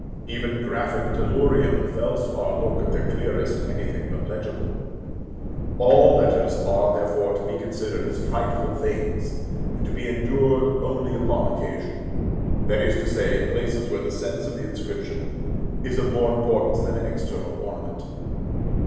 Even graphic tellurium and felspar look, at their clearest, anything but legible. All letters are, therefore, to be considered as frightful things, and to be endured only upon occasion; that is to say, in places where the sense of the inscription is of more importance than external ornament.